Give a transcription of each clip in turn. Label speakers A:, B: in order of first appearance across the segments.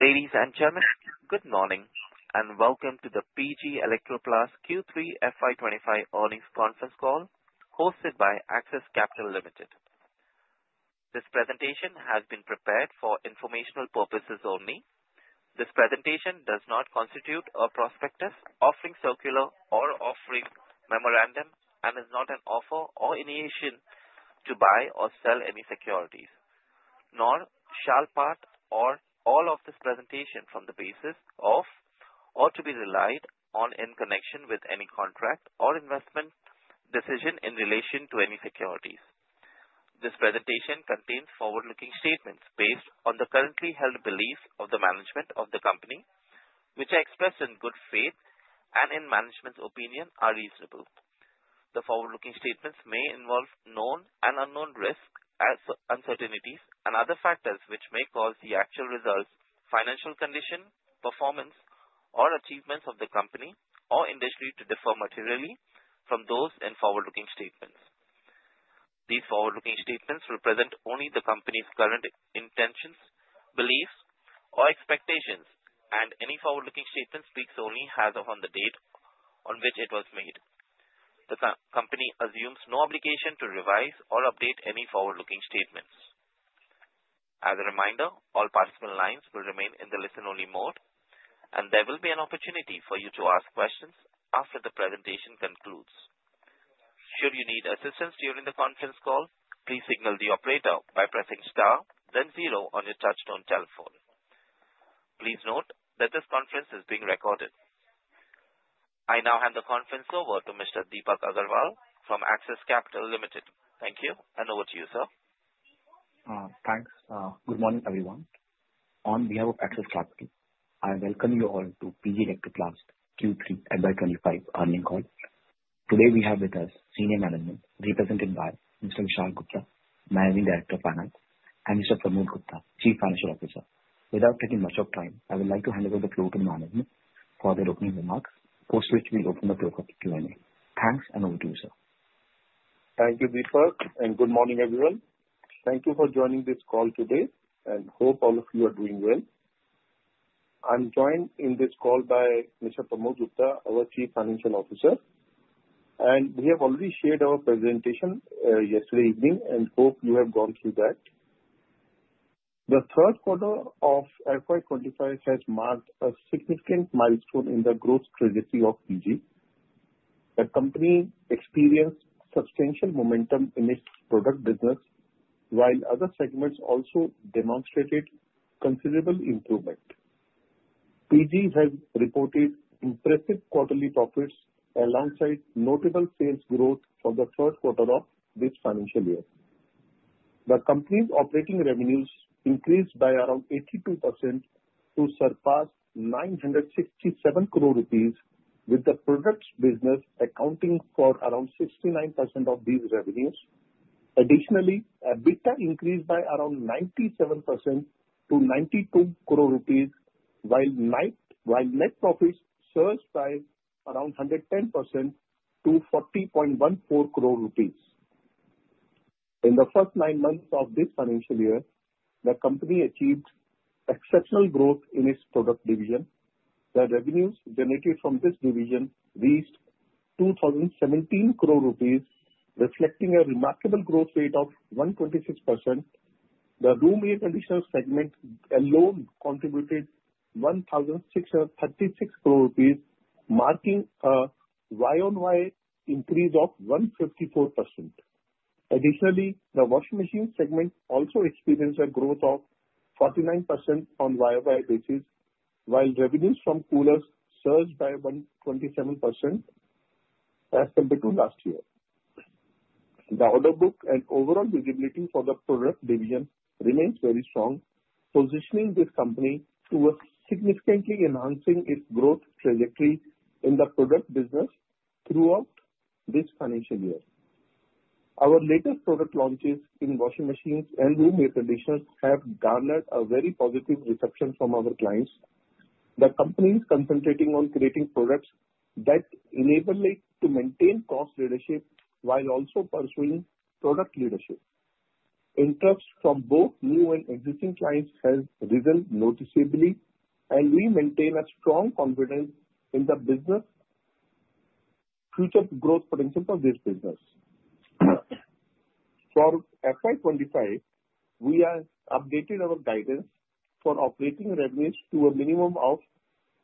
A: Ladies and gentlemen, good morning and welcome to the PG Electroplast Q3 FY25 earnings conference call hosted by Axis Capital Limited. This presentation has been prepared for informational purposes only. This presentation does not constitute a prospectus, offering circular or offering memorandum, and is not an offer or invitation to buy or sell any securities. Nor shall part or all of this presentation form the basis of or to be relied on in connection with any contract or investment decision in relation to any securities. This presentation contains forward-looking statements based on the currently held beliefs of the management of the company, which are expressed in good faith and in management's opinion are reasonable. The forward-looking statements may involve known and unknown risks, uncertainties, and other factors which may cause the actual results, financial condition, performance, or achievements of the company or industry to differ materially from those in forward-looking statements. These forward-looking statements represent only the company's current intentions, beliefs, or expectations, and any forward-looking statement speaks only as of the date on which it was made. The company assumes no obligation to revise or update any forward-looking statements. As a reminder, all participant lines will remain in the listen-only mode, and there will be an opportunity for you to ask questions after the presentation concludes. Should you need assistance during the conference call, please signal the operator by pressing star, then zero on your touch-tone telephone. Please note that this conference is being recorded. I now hand the conference over to Mr. Deepak Agarwal from Axis Capital Limited. Thank you, and over to you, sir.
B: Thanks. Good morning, everyone. On behalf of Axis Capital, I welcome you all to PG Electroplast Q3 FY25 earnings call. Today, we have with us senior management represented by Mr. Vishal Gupta, Managing Director of Finance, and Mr. Pramod Gupta, Chief Financial Officer. Without taking much of time, I would like to hand over the floor to the management for their opening remarks, post which we'll open the floor for Q&A. Thanks, and over to you, sir.
C: Thank you, Deepak, and good morning, everyone. Thank you for joining this call today, and hope all of you are doing well. I'm joined in this call by Mr. Pramod Gupta, our Chief Financial Officer, and we have already shared our presentation yesterday evening and hope you have gone through that. The third quarter of FY25 has marked a significant milestone in the growth trajectory of PG. The company experienced substantial momentum in its product business, while other segments also demonstrated considerable improvement. PG has reported impressive quarterly profits alongside notable sales growth for the third quarter of this financial year. The company's operating revenues increased by around 82% to surpass 967 crore rupees, with the products business accounting for around 69% of these revenues. Additionally, EBITDA increased by around 97% to 92 crore rupees, while net profits surged by around 110% to 40.14 crore rupees. In the first nine months of this financial year, the company achieved exceptional growth in its product division. The revenues generated from this division reached 2,017 crore rupees, reflecting a remarkable growth rate of 126%. The room air conditioner segment alone contributed 1,636 crore rupees, marking a Y-on-Y increase of 154%. Additionally, the washing machine segment also experienced a growth of 49% on a Y-on-Y basis, while revenues from coolers surged by 127% as compared to last year. The order book and overall visibility for the product division remains very strong, positioning this company towards significantly enhancing its growth trajectory in the product business throughout this financial year. Our latest product launches in washing machines and room air conditioners have garnered a very positive reception from our clients. The company is concentrating on creating products that enable it to maintain cost leadership while also pursuing product leadership. Interest from both new and existing clients has risen noticeably, and we maintain a strong confidence in the business future growth potential for this business. For FY25, we have updated our guidance for operating revenues to a minimum of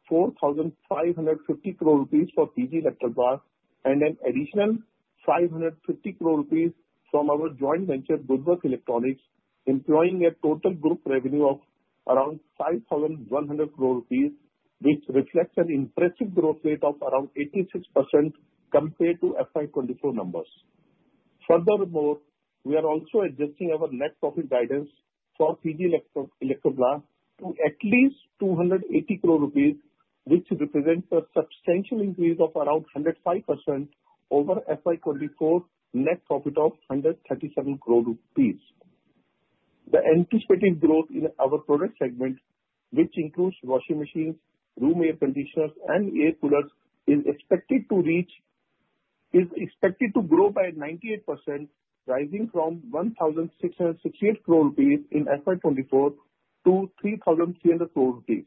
C: 4,550 crore rupees for PG Electroplast and an additional 550 crore rupees from our joint venture, Goodworth Electronics, employing a total group revenue of around 5,100 crore rupees, which reflects an impressive growth rate of around 86% compared to FY24 numbers. Furthermore, we are also adjusting our net profit guidance for PG Electroplast to at least 280 crore rupees, which represents a substantial increase of around 105% over FY24 net profit of 137 crore rupees. The anticipated growth in our product segment, which includes washing machines, room air conditioners, and air coolers, is expected to grow by 98%, rising from 1,668 crore rupees in FY24 to 3,300 crore rupees.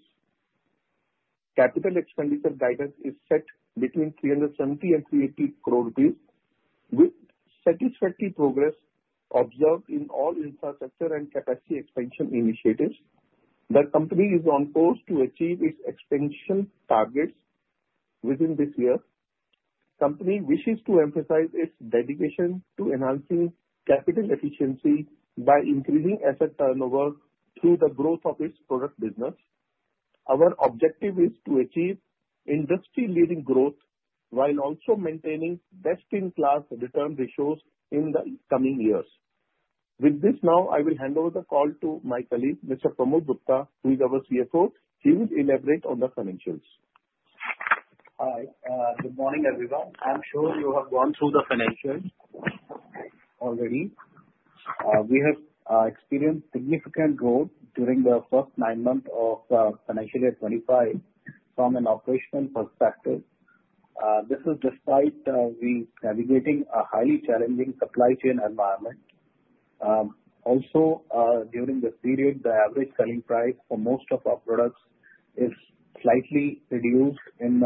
C: Capital expenditure guidance is set between 370 crore and 380 crore rupees. With satisfactory progress observed in all infrastructure and capacity expansion initiatives, the company is on course to achieve its expansion targets within this year. The company wishes to emphasize its dedication to enhancing capital efficiency by increasing asset turnover through the growth of its product business. Our objective is to achieve industry-leading growth while also maintaining best-in-class return ratios in the coming years. With this, now I will hand over the call to my colleague, Mr. Pramod Gupta, who is our CFO. He will elaborate on the financials.
D: Hi. Good morning, everyone. I'm sure you have gone through the financials already. We have experienced significant growth during the first nine months of financial year 25 from an operational perspective. This is despite we navigating a highly challenging supply chain environment. Also, during this period, the average selling price for most of our products is slightly reduced in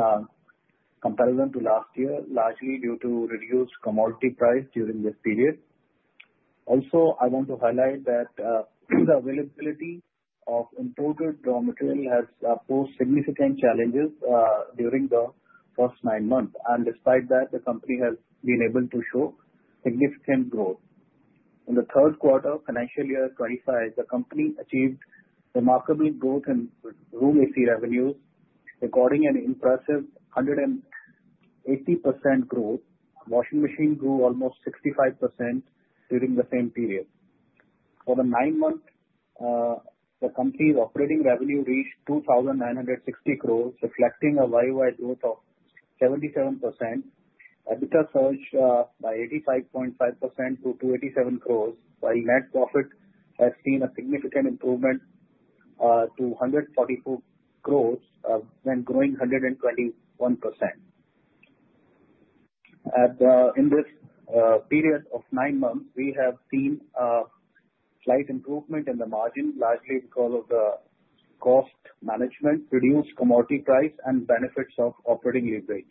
D: comparison to last year, largely due to reduced commodity price during this period. Also, I want to highlight that the availability of imported raw material has posed significant challenges during the first nine months, and despite that, the company has been able to show significant growth. In the third quarter of financial year 25, the company achieved remarkable growth in room AC revenues, recording an impressive 180% growth. Washing machines grew almost 65% during the same period. For the nine months, the company's operating revenue reached 2,960 crore, reflecting a Y-on-Y growth of 77%. EBITDA surged by 85.5% to 287 crore, while net profit has seen a significant improvement to 144 crore, then growing 121%. In this period of nine months, we have seen a slight improvement in the margin, largely because of the cost management, reduced commodity price, and benefits of operating leverage.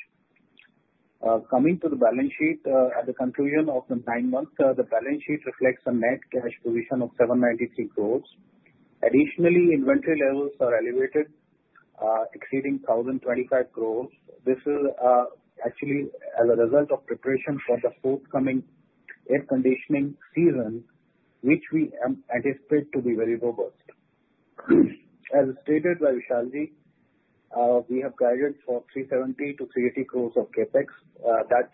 D: Coming to the balance sheet, at the conclusion of the nine months, the balance sheet reflects a net cash position of 793 crore. Additionally, inventory levels are elevated, exceeding 1,025 crore. This is actually as a result of preparation for the forthcoming air conditioning season, which we anticipate to be very robust. As stated by Vishalji, we have guided for 370 to 380 crore of CapEx that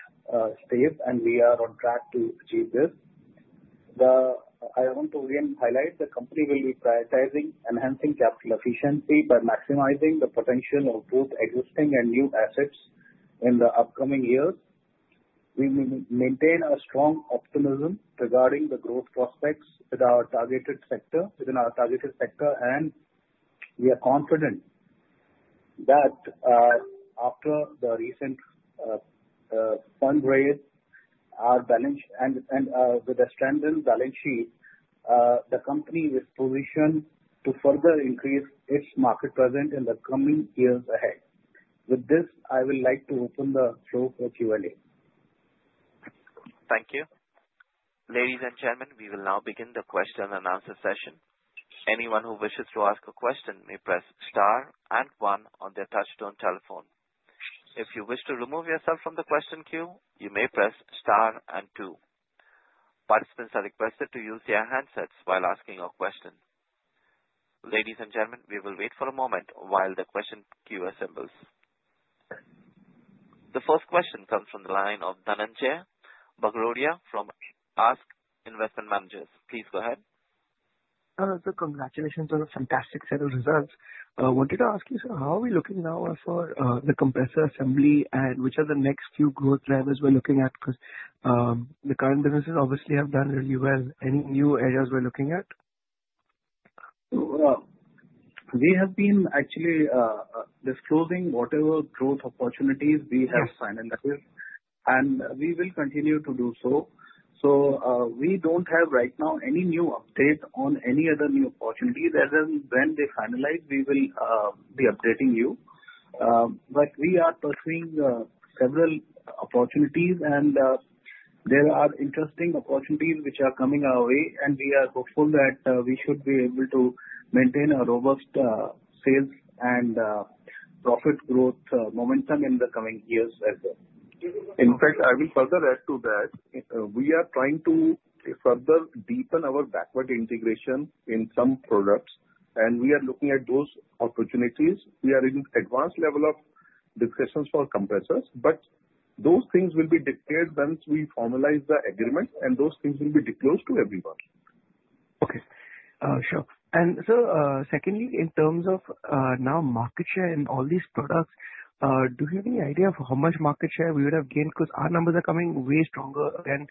D: stayed, and we are on track to achieve this. I want to again highlight the company will be prioritizing enhancing capital efficiency by maximizing the potential of both existing and new assets in the upcoming years. We maintain a strong optimism regarding the growth prospects within our targeted sector, and we are confident that after the recent fund-raise, and with the strengthened balance sheet, the company is positioned to further increase its market presence in the coming years ahead. With this, I would like to open the floor for Q&A.
A: Thank you. Ladies and gentlemen, we will now begin the question and answer session. Anyone who wishes to ask a question may press star and one on their touch-tone telephone. If you wish to remove yourself from the question queue, you may press star and two. Participants are requested to use their handsets while asking a question. Ladies and gentlemen, we will wait for a moment while the question queue assembles. The first question comes from the line of Dhananjai Bagrodia from ASK Investment Managers. Please go ahead.
E: Hello. So congratulations on a fantastic set of results. Wanted to ask you, sir, how are we looking now for the compressor assembly, and which are the next few growth drivers we're looking at? Because the current businesses obviously have done really well. Any new areas we're looking at?
D: We have been actually disclosing whatever growth opportunities we have finalized, and we will continue to do so. So we don't have right now any new update on any other new opportunities. When they finalize, we will be updating you. But we are pursuing several opportunities, and there are interesting opportunities which are coming our way, and we are hopeful that we should be able to maintain a robust sales and profit growth momentum in the coming years as well.
C: In fact, I will further add to that. We are trying to further deepen our backward integration in some products, and we are looking at those opportunities. We are in advanced level of discussions for compressors, but those things will be declared once we formalize the agreement, and those things will be disclosed to everyone.
E: Okay. Sure. And so, secondly, in terms of now market share in all these products, do you have any idea of how much market share we would have gained? Because our numbers are coming way stronger than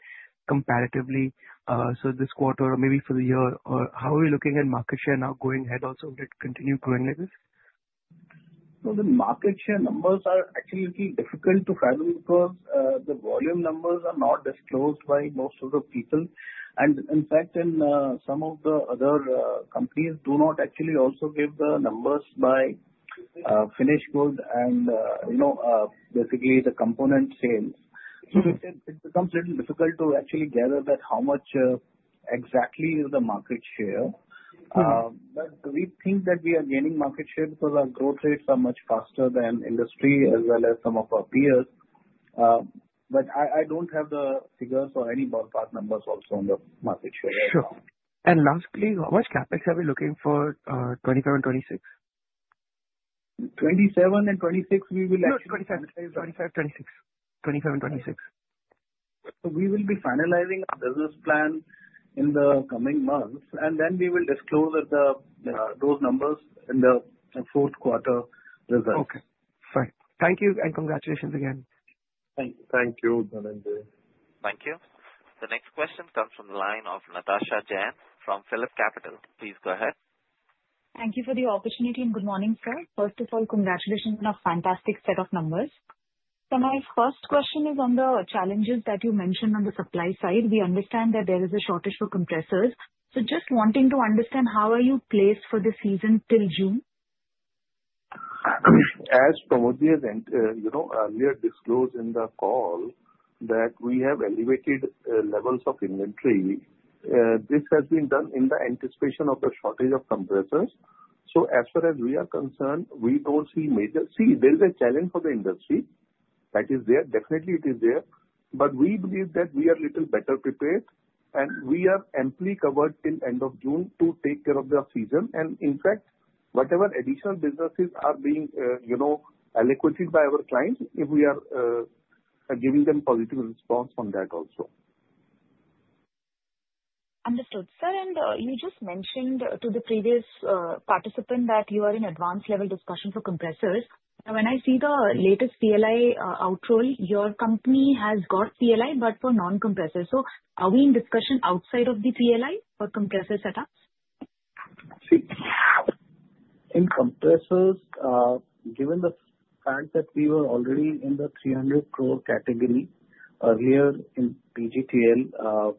E: comparatively this quarter or maybe for the year. How are we looking at market share now going ahead also to continue growing like this?
D: The market share numbers are actually difficult to fathom because the volume numbers are not disclosed by most of the people. In fact, some of the other companies do not actually also give the numbers by finished good and basically the component sales. It becomes a little difficult to actually gather that how much exactly is the market share. We think that we are gaining market share because our growth rates are much faster than industry as well as some of our peers. I don't have the figures or any ballpark numbers also on the market share.
E: Sure. And lastly, how much CapEx are we looking for 2027, 2026?
C: 2027 and 2026, we will actually.
E: FY27, FY26.
C: We will be finalizing our business plan in the coming months, and then we will disclose those numbers in the fourth quarter results.
E: Okay. Fine. Thank you, and congratulations again.
C: Thank you. Thank you, Dhananjai.
A: Thank you. The next question comes from the line of Natasha Jain from PhillipCapital. Please go ahead.
F: Thank you for the opportunity and good morning, sir. First of all, congratulations on a fantastic set of numbers. So my first question is on the challenges that you mentioned on the supply side. We understand that there is a shortage for compressors. So just wanting to understand, how are you placed for the season till June?
C: As Pramodji has earlier disclosed in the call that we have elevated levels of inventory. This has been done in the anticipation of the shortage of compressors. So as far as we are concerned, we don't see. There is a challenge for the industry that is there. Definitely, it is there. But we believe that we are a little better prepared, and we are amply covered till the end of June to take care of the season. And in fact, whatever additional businesses are being solicited by our clients, we are giving them positive response on that also.
F: Understood, sir. And you just mentioned to the previous participant that you are in advanced level discussion for compressors. When I see the latest PLI rollout, your company has got PLI, but for non-compressors. So are we in discussion outside of the PLI for compressor setups?
C: See, in compressors, given the fact that we were already in the 300 crore category earlier in PGTL,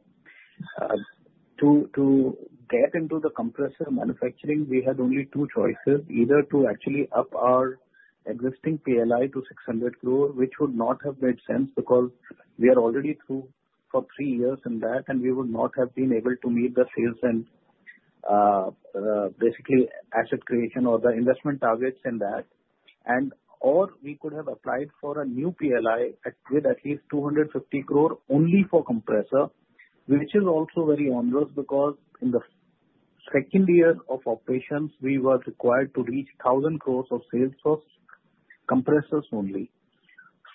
C: to get into the compressor manufacturing, we had only two choices: either to actually up our existing PLI to 600 crore, which would not have made sense because we are already through for three years in that, and we would not have been able to meet the sales and basically asset creation or the investment targets in that. And/or we could have applied for a new PLI with at least 250 crore only for compressor, which is also very onerous because in the second year of operations, we were required to reach 1,000 crores of sales for compressors only.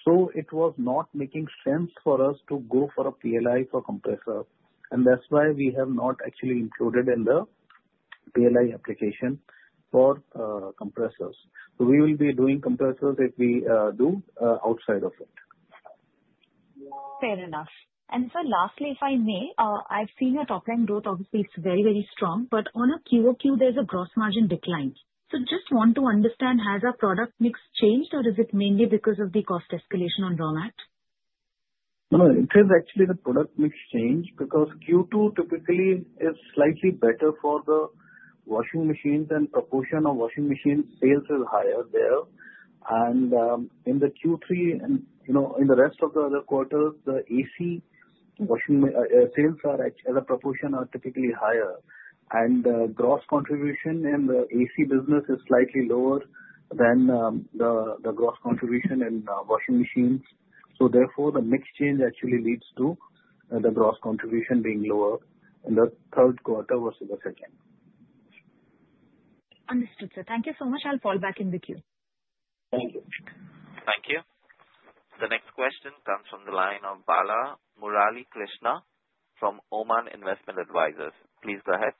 C: So it was not making sense for us to go for a PLI for compressor. And that's why we have not actually included in the PLI application for compressors. So we will be doing compressors if we do outside of it.
F: Fair enough. And so, lastly, if I may, I've seen your top-line growth obviously is very, very strong, but on a QoQ, there's a gross margin decline. So just want to understand, has our product mix changed, or is it mainly because of the cost escalation on raw mat?
C: No, it is actually the product mix change because Q2 typically is slightly better for the washing machines, and the proportion of washing machine sales is higher there. And in the Q3 and in the rest of the other quarters, the AC sales as a proportion are typically higher. And the gross contribution in the AC business is slightly lower than the gross contribution in washing machines. So therefore, the mix change actually leads to the gross contribution being lower in the third quarter versus the second.
F: Understood, sir. Thank you so much. I'll fall back in the queue.
C: Thank you.
A: Thank you. The next question comes from the line of Balamurali Krishna from Oman India Joint Investment Fund. Please go ahead.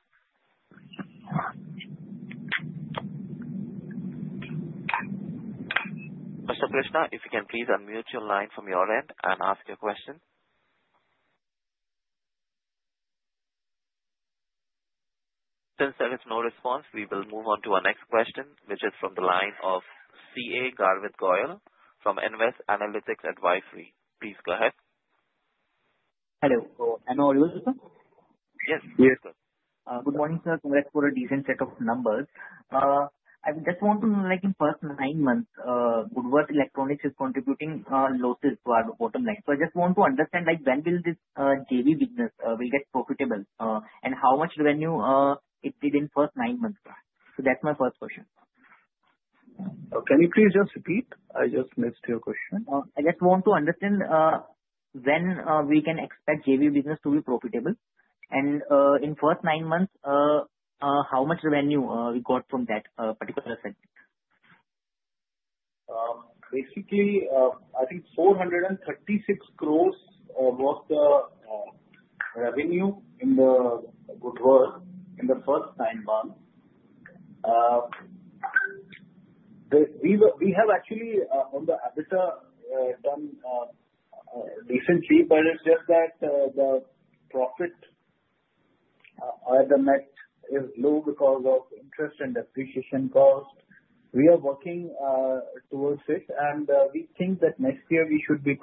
A: Mr. Krishna, if you can please unmute your line from your end and ask your question. Since there is no response, we will move on to our next question, which is from the line of CA Garvit Goyal from Nvest Analytics Advisory. Please go ahead.
G: Hello. Can I know what it was, sir?
A: Yes.
G: Yes, sir. Good morning, sir. Congrats for a decent set of numbers. I just want to know, in the first nine months, Goodworth Electronics is contributing losses to our bottom line. So I just want to understand when will this JV business get profitable and how much revenue it did in the first nine months. So that's my first question.
C: Can you please just repeat? I just missed your question.
G: I just want to understand when we can expect JV business to be profitable, and in the first nine months, how much revenue we got from that particular segment?
D: Basically, I think 436 crores was the revenue in Goodworth in the first nine months. We have actually on the EBITDA done decently, but it's just that the net profit is low because of interest and depreciation cost. We are working towards it, and we think that next year we should be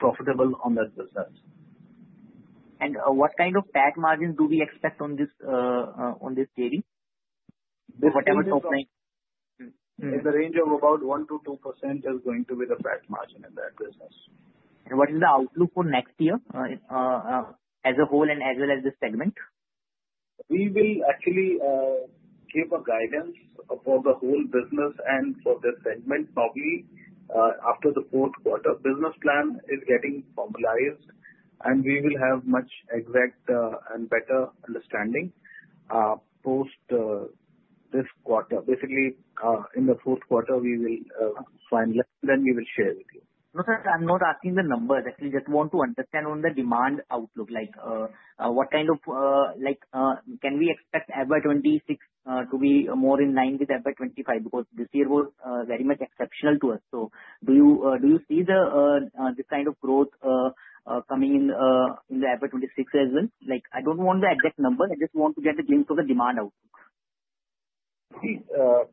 D: profitable on that business.
G: What kind of PAT margin do we expect on this JV? Whatever top line.
D: In the range of about 1%-2% is going to be the PAT margin in that business.
G: What is the outlook for next year as a whole and as well as this segment?
D: We will actually give a guidance for the whole business and for this segment probably after the fourth quarter. Business plan is getting formalized, and we will have much exact and better understanding post this quarter. Basically, in the fourth quarter, we will finalize then we will share with you.
G: No, sir, I'm not asking the numbers. Actually, just want to understand on the demand outlook. What kind of can we expect FY26 to be more in line with FY25? Because this year was very much exceptional to us. So do you see this kind of growth coming in the FY26 as well? I don't want the exact number. I just want to get a glimpse of the demand outlook.
D: See, the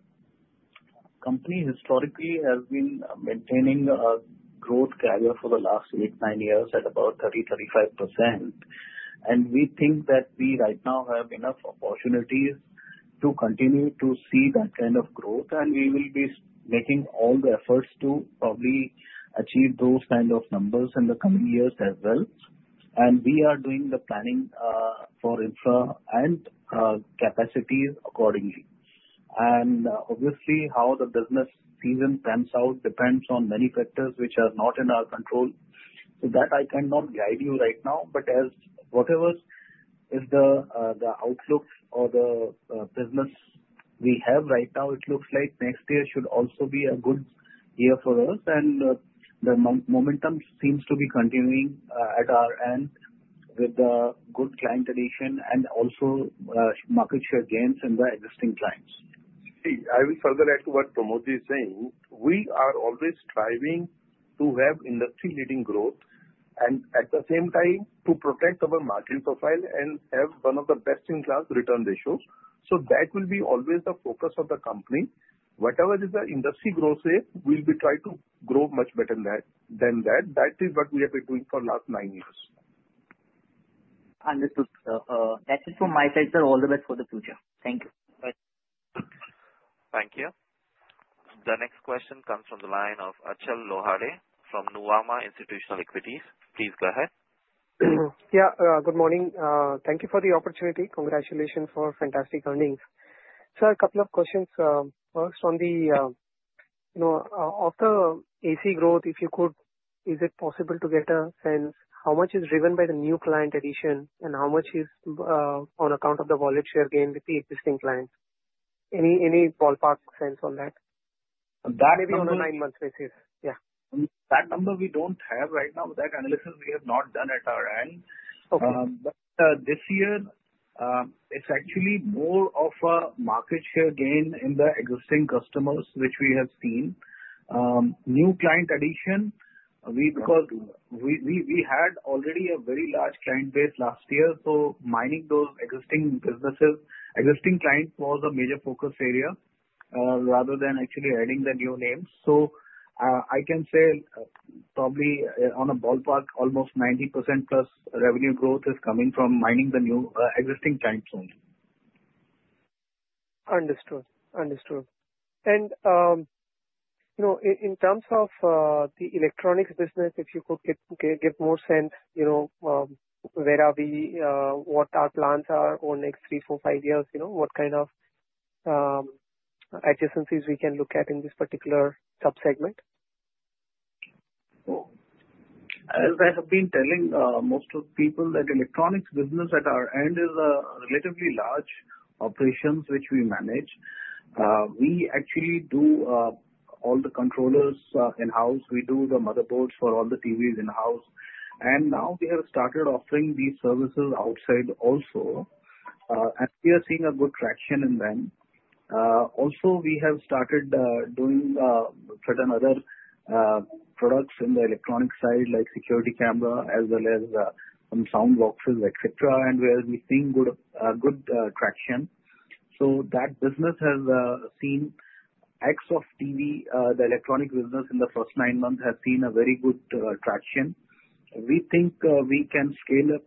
D: company historically has been maintaining a growth carrier for the last eight, nine years at about 30%-35%. We think that we right now have enough opportunities to continue to see that kind of growth, and we will be making all the efforts to probably achieve those kind of numbers in the coming years as well. We are doing the planning for infra and capacity accordingly. Obviously, how the business season pans out depends on many factors which are not in our control, so that I cannot guide you right now, but whatever is the outlook or the business we have right now, it looks like next year should also be a good year for us. The momentum seems to be continuing at our end with the good client addition and also market share gains in the existing clients.
C: See, I will further add to what Pramodji is saying. We are always striving to have industry-leading growth and at the same time to protect our market profile and have one of the best-in-class return ratios. So that will be always the focus of the company. Whatever is the industry growth rate, we'll be trying to grow much better than that. That is what we have been doing for the last nine years.
G: And that's it from my side, sir. All the best for the future. Thank you.
A: Thank you. The next question comes from the line of Achal Lohade from Nuvama Institutional Equities. Please go ahead.
H: Yeah. Good morning. Thank you for the opportunity. Congratulations for fantastic earnings. Sir, a couple of questions. First, on the AC growth, if you could, is it possible to get a sense how much is driven by the new client addition and how much is on account of the wallet share gain with the existing clients? Any ballpark sense on that? Maybe on a nine-month basis. Yeah.
D: That number we don't have right now. That analysis we have not done at our end. But this year, it's actually more of a market share gain in the existing customers which we have seen. New client addition, because we had already a very large client base last year. So mining those existing businesses, existing clients was a major focus area rather than actually adding the new names. So I can say probably on a ballpark, almost 90% plus revenue growth is coming from mining the new existing client zone.
H: Understood. Understood. And in terms of the electronics business, if you could give more sense, where are we, what our plans are for next three, four, five years, what kind of adjacencies we can look at in this particular subsegment?
D: As I have been telling most of the people, that electronics business at our end is a relatively large operation which we manage. We actually do all the controllers in-house. We do the motherboards for all the TVs in-house. And now we have started offering these services outside also. And we are seeing a good traction in them. Also, we have started doing certain other products in the electronics side like security camera as well as some sound boxes, etc., and where we've seen good traction. So that business has seen a lot of TV. The electronics business in the first nine months has seen a very good traction. We think we can scale up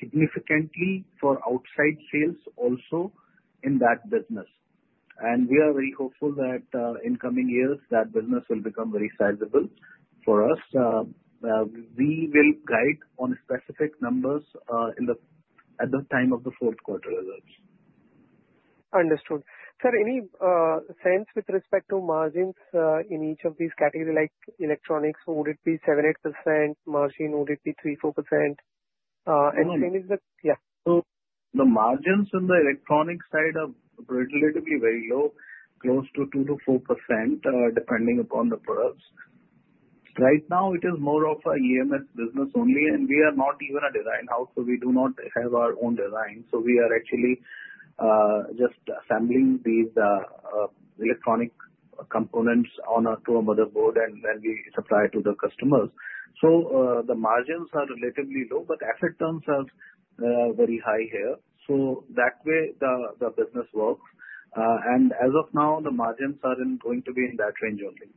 D: significantly for outside sales also in that business. And we are very hopeful that in coming years, that business will become very sizable for us. We will guide on specific numbers at the time of the fourth quarter results.
H: Understood. Sir, any sense with respect to margins in each of these categories like electronics? Would it be 7-8%? Margin? Would it be 3-4%? And same is the.
D: So the margins in the electronics side are relatively very low, close to 2%-4% depending upon the products. Right now, it is more of an EMS business only, and we are not even a design house, so we do not have our own design. So we are actually just assembling these electronic components onto a motherboard and then we supply it to the customers. So the margins are relatively low, but asset turns are very high here. So that way, the business works. And as of now, the margins are going to be in that range only.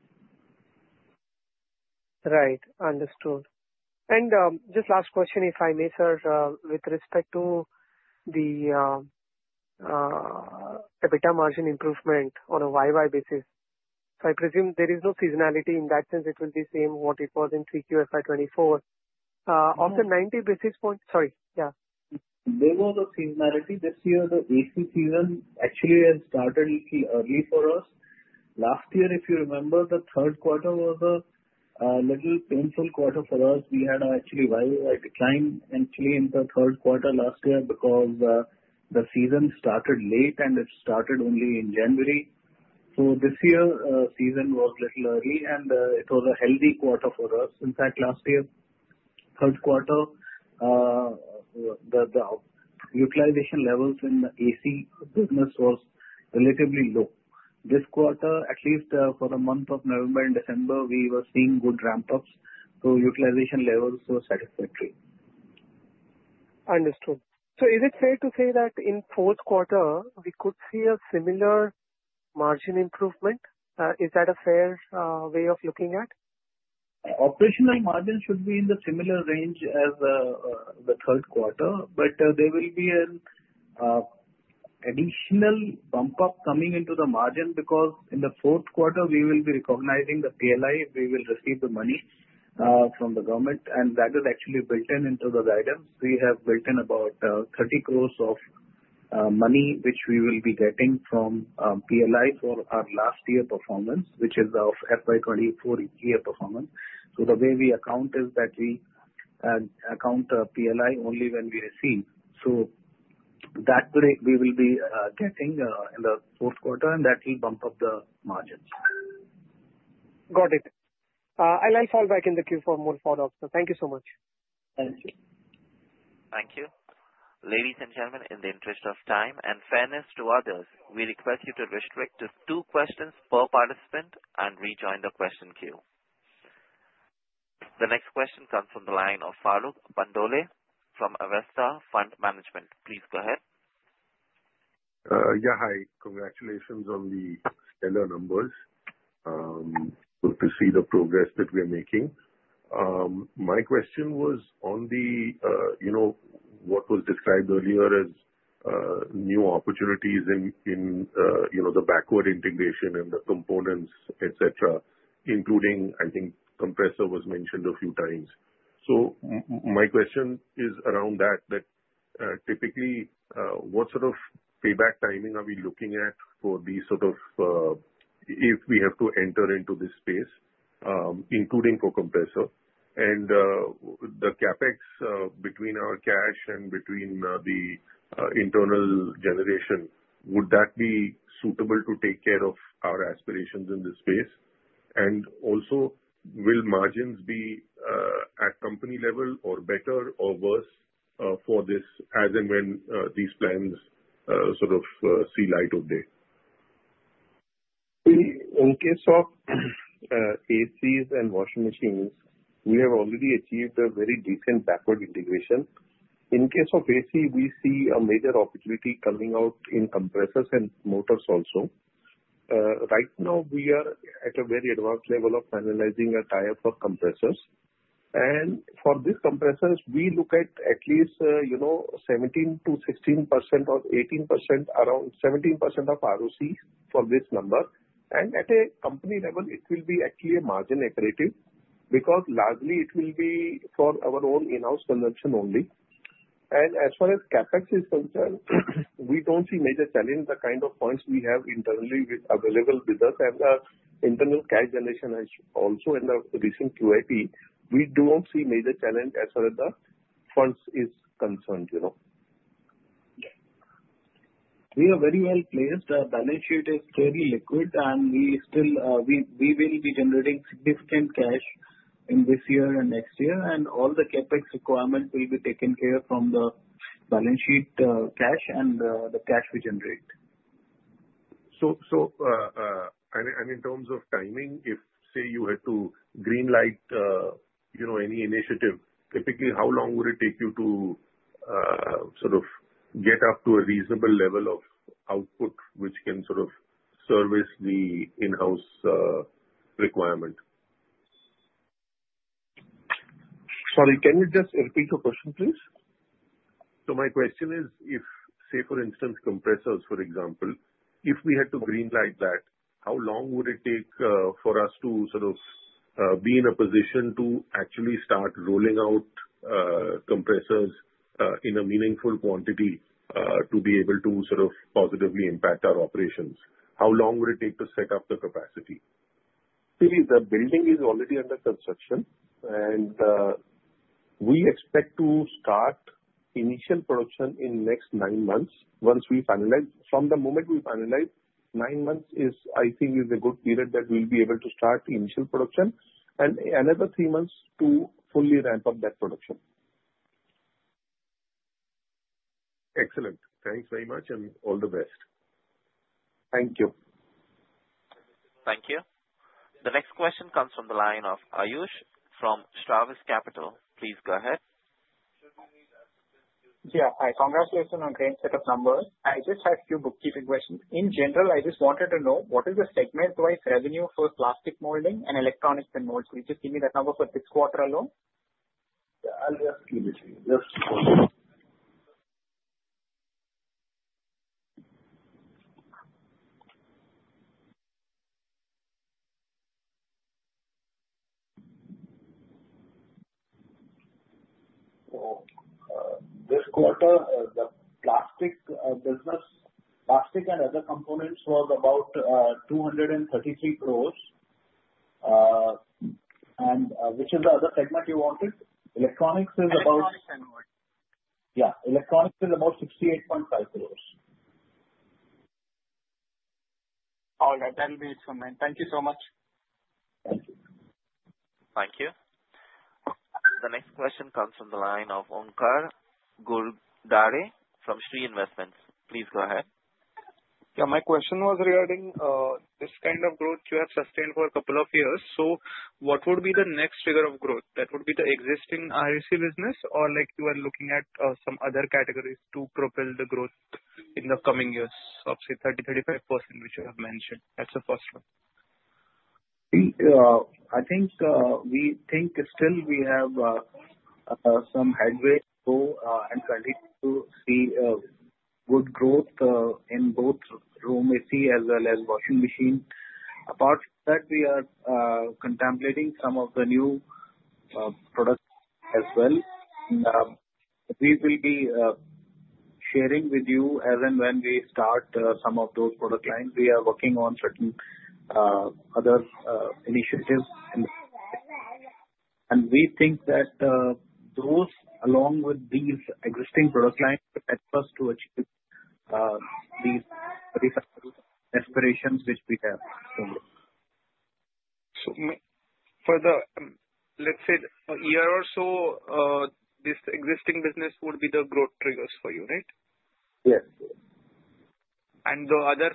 H: Right. Understood. And just last question, if I may, sir, with respect to the EBITDA margin improvement on a YY basis. So I presume there is no seasonality in that sense. It will be the same what it was in Q3 FY24. On the 90 basis points, sorry. Yeah.
D: There was a seasonality. This year, the AC season actually has started a little early for us. Last year, if you remember, the third quarter was a little painful quarter for us. We had actually a YoY decline actually in the third quarter last year because the season started late, and it started only in January. So this year, season was a little early, and it was a healthy quarter for us. In fact, last year, third quarter, the utilization levels in the AC business was relatively low. This quarter, at least for the month of November and December, we were seeing good ramp-ups. So utilization levels were satisfactory.
H: Understood. So is it fair to say that in fourth quarter, we could see a similar margin improvement? Is that a fair way of looking at?
D: Operational margin should be in the similar range as the third quarter, but there will be an additional bump-up coming into the margin because in the fourth quarter, we will be recognizing the PLI. We will receive the money from the government, and that is actually built into the guidance. We have built in about 30 crores of money which we will be getting from PLI for our last year performance, which is our FY24 year performance. So the way we account is that we account PLI only when we receive. So that way, we will be getting in the fourth quarter, and that will bump up the margins.
H: Got it. I'll fall back in the queue for more follow-ups. Thank you so much.
C: Thank you.
A: Thank you. Ladies and gentlemen, in the interest of time and fairness to others, we request you to restrict to two questions per participant and rejoin the question queue. The next question comes from the line of Farokh Pandole from Avestha Fund Management. Please go ahead.
I: Yeah. Hi. Congratulations on the stellar numbers. Good to see the progress that we are making. My question was on what was described earlier as new opportunities in the backward integration and the components, etc., including, I think, compressor was mentioned a few times. So my question is around that, that typically, what sort of payback timing are we looking at for these sort of if we have to enter into this space, including for compressor? And the CapEx between our cash and between the internal generation, would that be suitable to take care of our aspirations in this space? And also, will margins be at company level or better or worse for this as and when these plans sort of see light of day?
C: In case of ACs and washing machines, we have already achieved a very decent backward integration. In case of AC, we see a major opportunity coming out in compressors and motors also. Right now, we are at a very advanced level of finalizing a tie-up for compressors. And for these compressors, we look at at least 17% to 16% or 18%, around 17% of ROCE for this number. And at a company level, it will be actually a margin accretive because largely, it will be for our own in-house consumption only. And as far as CapEx is concerned, we don't see major challenge. The kind of plants we have internally available with us and the internal cash generation also in the recent QIP, we don't see major challenge as far as the funds is concerned. We are very well placed. The balance sheet is fairly liquid, and we will be generating significant cash in this year and next year. And all the CapEx requirement will be taken care of from the balance sheet cash and the cash we generate.
I: In terms of timing, if, say, you had to greenlight any initiative, typically, how long would it take you to sort of get up to a reasonable level of output which can sort of service the in-house requirement?
C: Sorry, can you just repeat your question, please?
I: My question is, if, say, for instance, compressors, for example, if we had to greenlight that, how long would it take for us to sort of be in a position to actually start rolling out compressors in a meaningful quantity to be able to sort of positively impact our operations? How long would it take to set up the capacity?
C: See, the building is already under construction, and we expect to start initial production in the next nine months once we finalize. From the moment we finalize, nine months, I think, is a good period that we'll be able to start initial production and another three months to fully ramp up that production.
I: Excellent. Thanks very much, and all the best.
C: Thank you.
A: Thank you. The next question comes from the line of Ayush from Stravis Capital. Please go ahead. Yeah. Hi. Congratulations on great set of numbers. I just have a few bookkeeping questions. In general, I just wanted to know what is the segment-wise revenue for plastic molding and electronics and molds? Could you just give me that number for this quarter alone?
D: Yeah. I'll just give it to you. Just a moment. This quarter, the plastic business, plastic and other components was about 233 crores. And which is the other segment you wanted? Electronics is about.
C: Electronics and molds.
D: Yeah. Electronics is about 68.5 crores. All right. That'll be it from me. Thank you so much. Thank you.
A: Thank you. The next question comes from the line of Omkar Ghugardare from Shree Investments. Please go ahead.
J: Yeah. My question was regarding this kind of growth you have sustained for a couple of years. So what would be the next figure of growth? That would be the existing RAC business, or you are looking at some other categories to propel the growth in the coming years of, say, 30%-35%, which you have mentioned? That's the first one.
D: I think we think still we have some headway to go and continue to see good growth in both room AC as well as washing machine. Apart from that, we are contemplating some of the new products as well. We will be sharing with you as and when we start some of those product lines. We are working on certain other initiatives, and we think that those, along with these existing product lines, will help us to achieve these aspirations which we have so far.
J: So for the, let's say, a year or so, this existing business would be the growth triggers for you, right?
C: Yes.
J: The other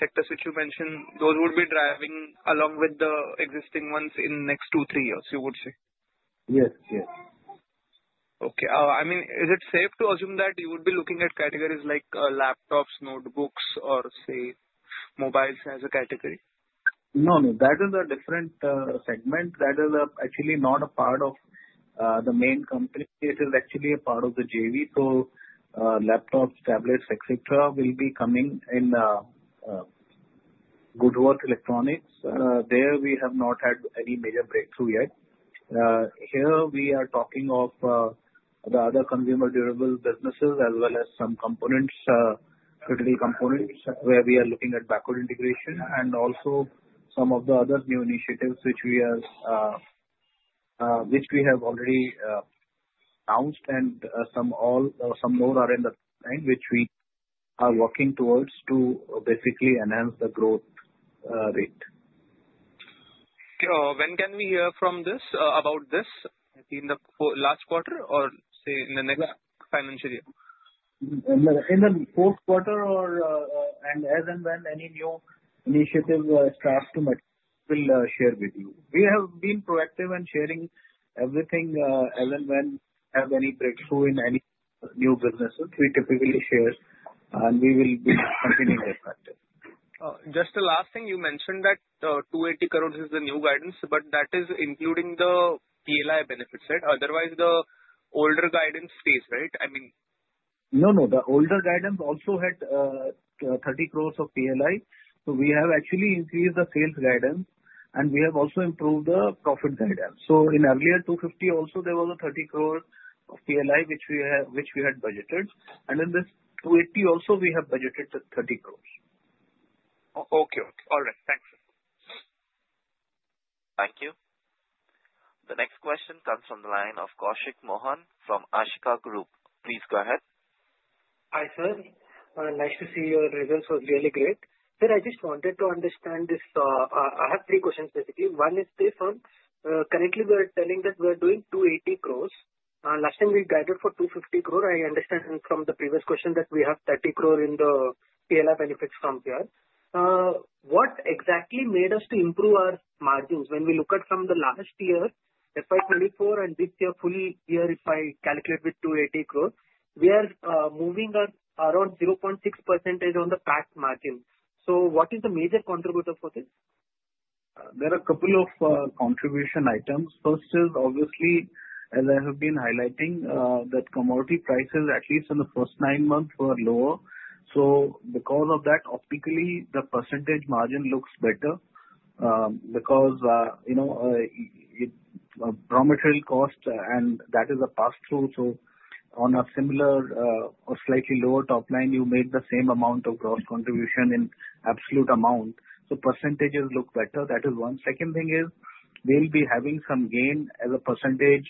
J: sectors which you mentioned, those would be driving along with the existing ones in the next two, three years, you would say?
C: Yes. Yes.
J: Okay. I mean, is it safe to assume that you would be looking at categories like laptops, notebooks, or, say, mobiles as a category?
D: No. No. That is a different segment. That is actually not a part of the main company. It is actually a part of the JV. So laptops, tablets, etc., will be coming in Goodworth Electronics. There, we have not had any major breakthrough yet. Here, we are talking of the other consumer durable businesses as well as some components, critical components, where we are looking at backward integration and also some of the other new initiatives which we have already announced and some more are in the line which we are working towards to basically enhance the growth rate.
J: When can we hear about this in the last quarter or, say, in the next financial year?
D: In the fourth quarter and as and when any new initiative starts to, we'll share with you. We have been proactive in sharing everything as and when we have any breakthrough in any new businesses. We typically share, and we will be continuing to expand it.
J: Just the last thing, you mentioned that 280 crores is the new guidance, but that is including the PLI benefits, right? Otherwise, the older guidance stays, right? I mean.
D: No. No. The older guidance also had 30 crores of PLI. So we have actually increased the sales guidance, and we have also improved the profit guidance. So in earlier 250, also, there was a 30 crore of PLI which we had budgeted. And in this 280, also, we have budgeted 30 crores.
J: Okay. All right. Thanks.
A: Thank you. The next question comes from the line of Koushik Mohan from Ashika Group. Please go ahead.
K: Hi, sir. Nice to see your results were really great. Sir, I just wanted to understand this. I have three questions, basically. One is this one. Currently, we are telling that we are doing 280 crores. Last time, we guided for 250 crores. I understand from the previous question that we have 30 crore in the PLI benefits from here. What exactly made us to improve our margins? When we look at from the last year, FY24, and this year, full year, if I calculate with 280 crores, we are moving around 0.6% on the RAC margin. So what is the major contributor for this?
D: There are a couple of contribution items. First is, obviously, as I have been highlighting, that commodity prices, at least in the first nine months, were lower, so because of that, optically, the percentage margin looks better because raw material cost, and that is a pass-through, so on a similar or slightly lower top line, you make the same amount of gross contribution in absolute amount, so percentages look better. That is one. Second thing is we'll be having some gain as a percentage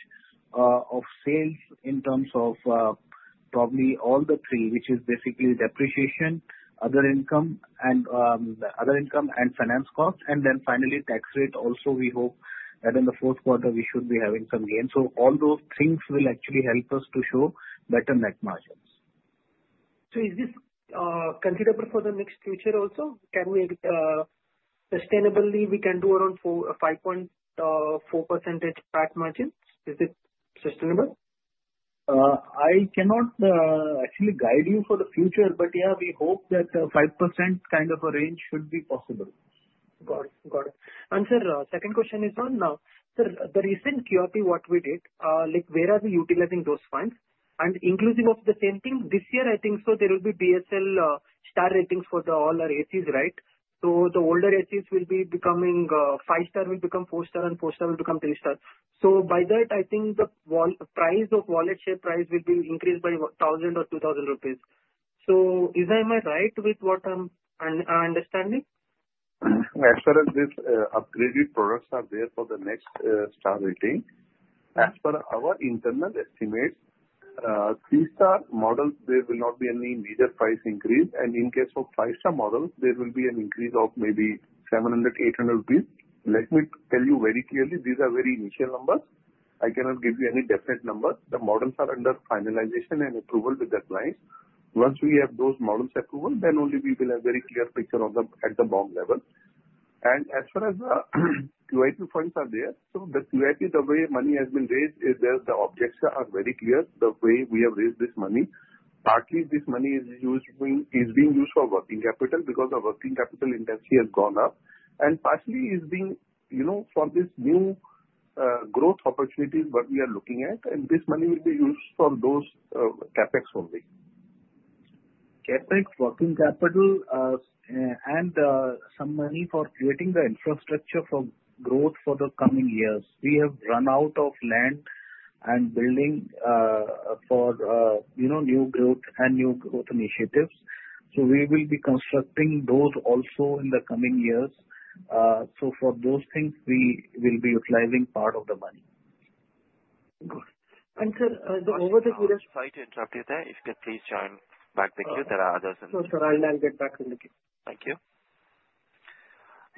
D: of sales in terms of probably all the three, which is basically depreciation, other income, and finance costs, and then finally, tax rate. Also, we hope that in the fourth quarter, we should be having some gains, so all those things will actually help us to show better net margins.
K: So is this considerable for the next future also? Can we sustainably do around 5.4% PAC margin? Is it sustainable?
D: I cannot actually guide you for the future, but yeah, we hope that 5% kind of a range should be possible.
K: Got it. Got it. Sir, second question is one. Sir, the recent QIP, what we did, where are we utilizing those funds? And inclusive of the same thing, this year, I think so, there will be BEE star ratings for all our ACs, right? So the older ACs will be becoming five-star will become four-star, and four-star will become three-star. So by that, I think the price of wallet share price will be increased by 1,000-2,000 rupees. So am I right with what I'm understanding?
C: As far as these upgraded products are there for the next Star Rating, as per our internal estimates, three-star models, there will not be any major price increase. And in case of five-star models, there will be an increase of maybe 700-800 rupees. Let me tell you very clearly, these are very initial numbers. I cannot give you any definite number. The models are under finalization and approval with the clients. Once we have those models' approval, then only we will have a very clear picture at the BOM level. And as far as the QIP funds are there, so the QIP, the way money has been raised, the objects are very clear. The way we have raised this money, partly, this money is being used for working capital because our working capital intensity has gone up. And partially, it's being for this new growth opportunities that we are looking at. And this money will be used for those CapEx only.
D: CapEx, working capital, and some money for creating the infrastructure for growth for the coming years. We have run out of land and building for new growth and new growth initiatives. So we will be constructing those also in the coming years. So for those things, we will be utilizing part of the money.
K: Good. And, sir, the over the.
A: Sorry to interrupt you there. If you could please join back the queue. There are others in the.
K: Sure. Sure. I'll get back in the queue.
A: Thank you.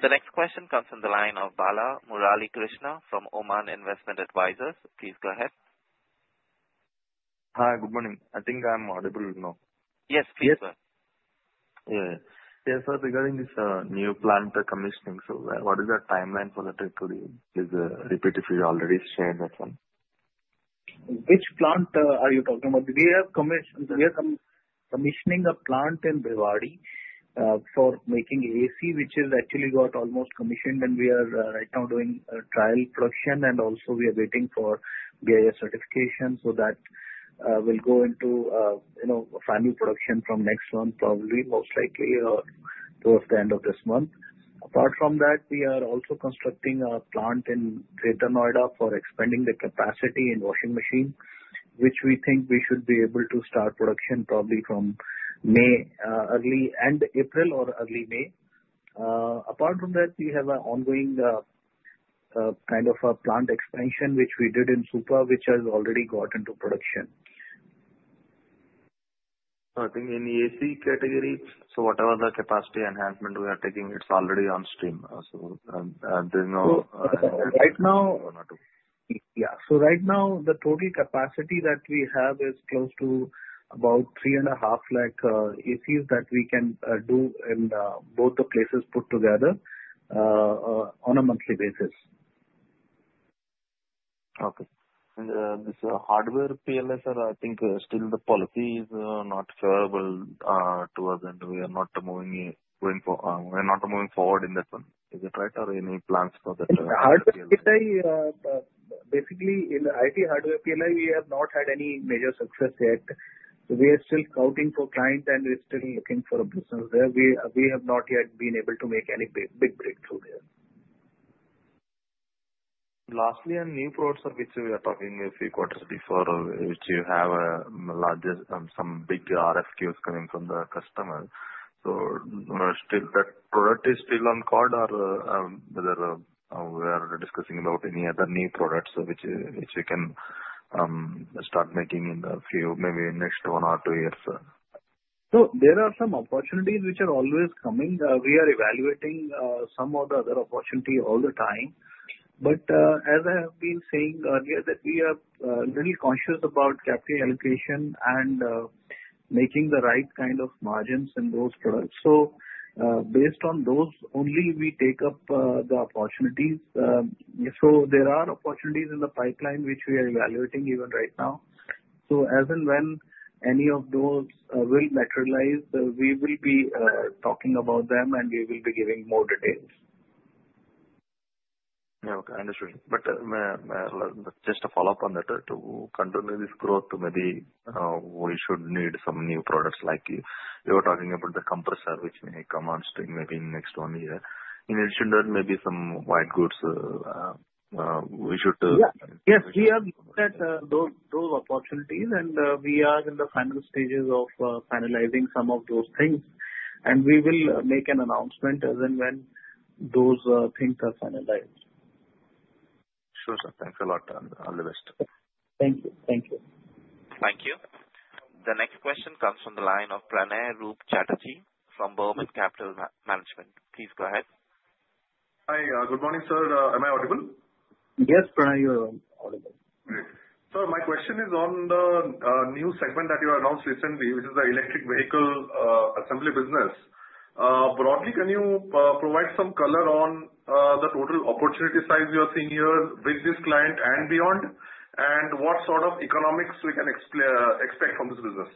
A: The next question comes from the line of Balamurali Krishna from Oman India Joint Investment Fund. Please go ahead.
L: Hi. Good morning. I think I'm audible now.
A: Yes. Please go ahead.
L: Yes. Yes, sir. Regarding this new plant commissioning, so what is the timeline for that? Could you please repeat if you already shared that one?
D: Which plant are you talking about? We are commissioning a plant in Bhiwadi for making AC, which has actually got almost commissioned, and we are right now doing trial production. We are also waiting for BIS certification. So that will go into final production from next month, probably, most likely, towards the end of this month. Apart from that, we are also constructing a plant in Greater Noida for expanding the capacity in washing machine, which we think we should be able to start production probably from May, early end April or early May. Apart from that, we have an ongoing kind of plant expansion, which we did in Supa, which has already got into production.
L: So I think in the AC category, so whatever the capacity enhancement we are taking, it's already on stream. So doing all.
D: Right now.
L: Yeah.
D: Right now, the total capacity that we have is close to about 350,000 ACs that we can do in both the places put together on a monthly basis.
L: Okay. And this hardware PLI, sir, I think still the policy is not favorable to us, and we are not moving forward in that one. Is it right? Or any plans for that?
D: Basically, in IT hardware PLI, we have not had any major success yet. We are still scouting for clients, and we're still looking for a business there. We have not yet been able to make any big breakthrough there.
L: Lastly, on new products, which we are talking a few quarters before, which you have some big RFQs coming from the customers. So that product is still on call, or we are discussing about any other new products which we can start making in a few, maybe next one or two years, sir?
D: So there are some opportunities which are always coming. We are evaluating some of the other opportunities all the time. But as I have been saying earlier, that we are really conscious about capital allocation and making the right kind of margins in those products. So based on those, only we take up the opportunities. So there are opportunities in the pipeline which we are evaluating even right now. So as and when any of those will materialize, we will be talking about them, and we will be giving more details.
L: Yeah. Okay. I understand. But just a follow-up on that, to continue this growth, maybe we should need some new products like you. You were talking about the compressor, which may come on stream maybe in the next one year. In addition to that, maybe some white goods. We should.
D: Yes. We have looked at those opportunities, and we are in the final stages of finalizing some of those things. And we will make an announcement as and when those things are finalized.
L: Sure, sir. Thanks a lot. All the best.
D: Thank you. Thank you.
A: Thank you. The next question comes from the line of Pranay Roop Chatterjee from Burman Capital Management. Please go ahead.
M: Hi. Good morning, sir. Am I audible?
C: Yes, Pranay, you're audible.
M: Sir, my question is on the new segment that you announced recently, which is the electric vehicle assembly business. Broadly, can you provide some color on the total opportunity size you are seeing here with this client and beyond? And what sort of economics we can expect from this business?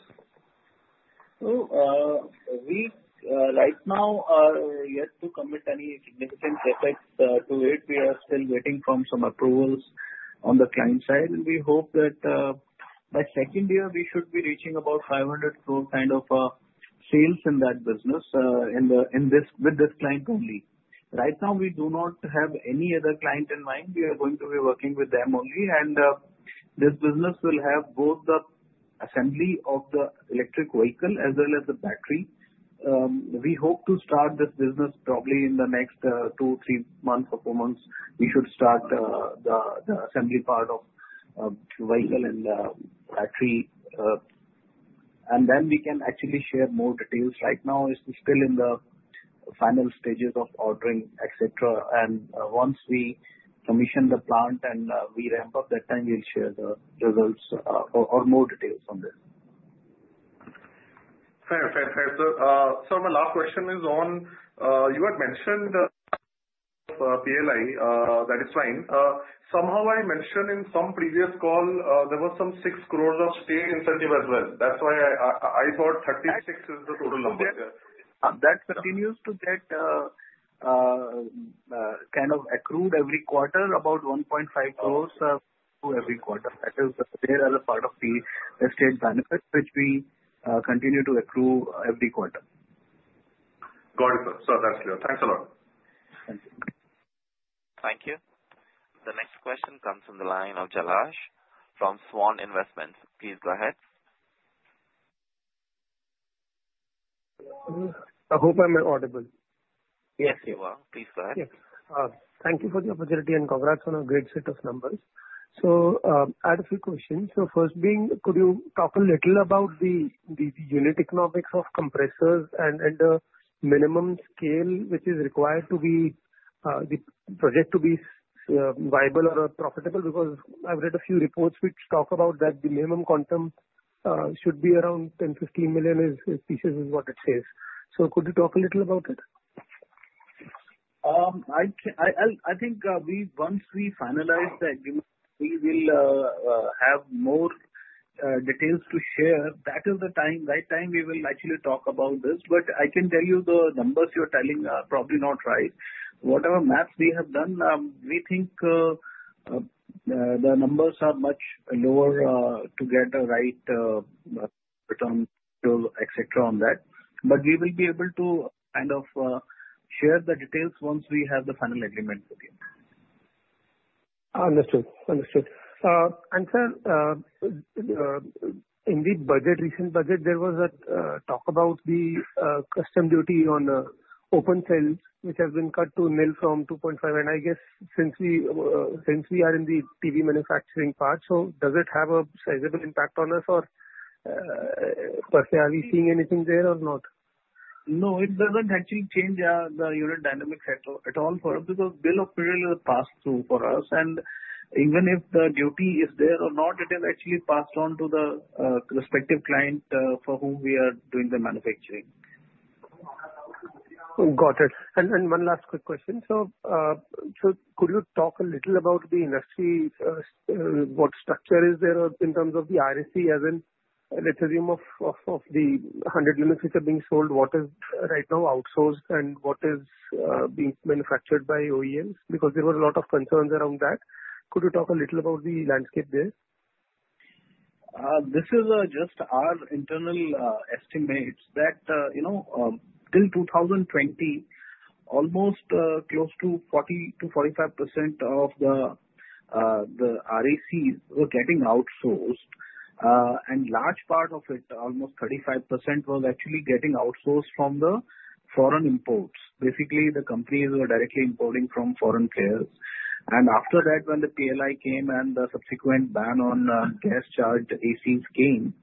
D: now, we are yet to commit any significant CapEx to it. We are still waiting for some approvals on the client side. We hope that by second year, we should be reaching about 500 crore kind of sales in that business with this client only. Right now, we do not have any other client in mind. We are going to be working with them only. This business will have both the assembly of the electric vehicle as well as the battery. We hope to start this business probably in the next two, three months or four months. We should start the assembly part of vehicle and battery. Then we can actually share more details. Right now, it's still in the final stages of ordering, etc. Once we commission the plant and we ramp up, that time we'll share the results or more details on this.
M: Fair. Sir, my last question is on you had mentioned PLI. That is fine. Somehow, I mentioned in some previous call, there were some six crores of state incentive as well. That's why I thought 36 is the total number.
D: That continues to get kind of accrued every quarter, about 1.5 crores every quarter. That is there as a part of the state benefits, which we continue to accrue every quarter.
M: Got it, sir. Sir, that's clear. Thanks a lot.
C: Thank you.
A: Thank you. The next question comes from the line of Jalaj from Svan Investments. Please go ahead.
N: I hope I'm audible.
C: Yes.
A: You are. Please go ahead.
N: Yes. Thank you for the opportunity and congrats on a great set of numbers. So I had a few questions. So first being, could you talk a little about the unit economics of compressors and the minimum scale which is required to be projected to be viable or profitable? Because I've read a few reports which talk about that the minimum quantum should be around 10-15 million pieces is what it says. So could you talk a little about it?
D: I think once we finalize the agreement, we will have more details to share. That is the right time we will actually talk about this. But I can tell you the numbers you're telling are probably not right. Whatever math we have done, we think the numbers are much lower to get a right return to, etc., on that. But we will be able to kind of share the details once we have the final agreement with you.
N: Understood. Understood. And, sir, in the recent budget, there was a talk about the customs duty on open cells, which has been cut to nil from 2.5%. And I guess since we are in the TV manufacturing part, so does it have a sizable impact on us? Or are we seeing anything there or not?
C: No, it doesn't actually change the unit dynamics at all for us because Bill of Materials is a pass-through for us, and even if the duty is there or not, it is actually passed on to the respective client for whom we are doing the manufacturing.
N: Got it. And then one last quick question. So could you talk a little about the industry? What structure is there in terms of the RAC as in, let's assume, of the 100 units which are being sold? What is right now outsourced, and what is being manufactured by OEMs? Because there were a lot of concerns around that. Could you talk a little about the landscape there?
D: This is just our internal estimates that till 2020, almost close to 40%-45% of the RACs were getting outsourced. And a large part of it, almost 35%, was actually getting outsourced from the foreign imports. Basically, the companies were directly importing from foreign players. And after that, when the PLI came and the subsequent ban on gas-charged ACs came,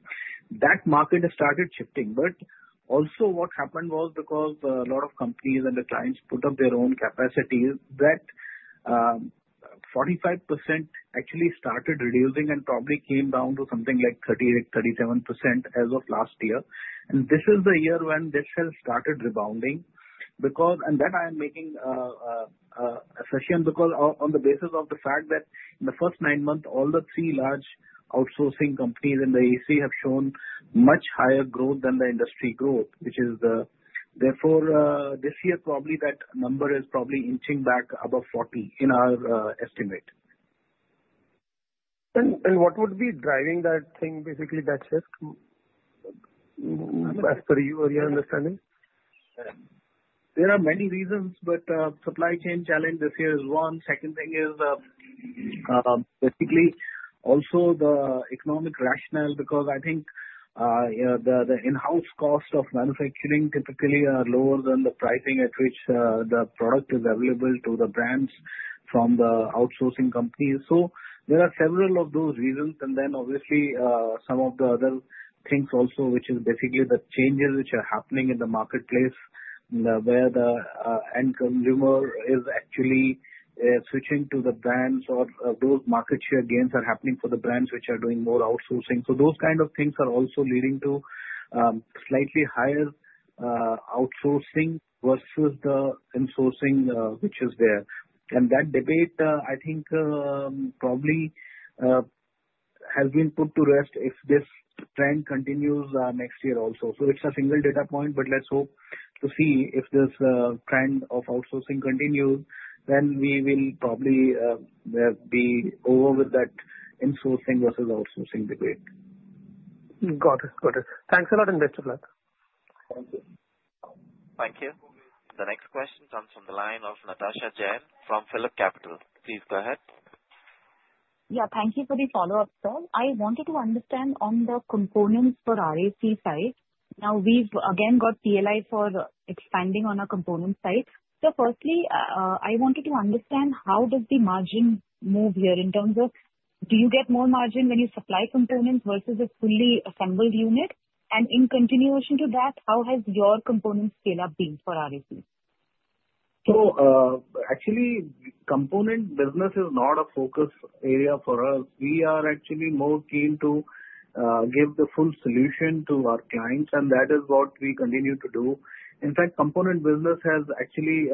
D: that market has started shifting. But also, what happened was because a lot of companies and the clients put up their own capacities, that 45% actually started reducing and probably came down to something like 38-37% as of last year. And this is the year when this has started rebounding. Then I am making an assessment because, on the basis of the fact that in the first nine months, all the three large outsourcing companies in the AC have shown much higher growth than the industry growth, which is the. Therefore, this year, probably that number is probably inching back above 40 in our estimate.
N: What would be driving that thing, basically, that shift, as per your understanding?
D: There are many reasons, but supply chain challenge this year is one. Second thing is basically also the economic rationale because I think the in-house cost of manufacturing typically are lower than the pricing at which the product is available to the brands from the outsourcing companies. So there are several of those reasons and then, obviously, some of the other things also, which is basically the changes which are happening in the marketplace where the end consumer is actually switching to the brands or those market share gains are happening for the brands which are doing more outsourcing. So those kind of things are also leading to slightly higher outsourcing versus the insourcing which is there and that debate, I think, probably has been put to rest if this trend continues next year also. So it's a single data point, but let's hope to see if this trend of outsourcing continues. Then we will probably be over with that insourcing versus outsourcing debate.
N: Got it. Got it. Thanks a lot, investors.
D: Thank you.
A: Thank you. The next question comes from the line of Natasha Jain from PhillipCapital. Please go ahead.
F: Yeah. Thank you for the follow-up, sir. I wanted to understand on the components for RAC side. Now, we've again got PLI for expanding on our component side. So firstly, I wanted to understand how does the margin move here in terms of do you get more margin when you supply components versus a fully assembled unit? And in continuation to that, how has your component scale-up been for RAC?
D: So actually, component business is not a focus area for us. We are actually more keen to give the full solution to our clients, and that is what we continue to do. In fact, component business has actually